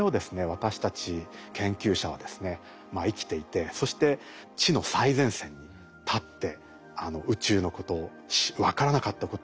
私たち研究者はですね生きていてそして知の最前線に立って宇宙のことを分からなかったことを調べる。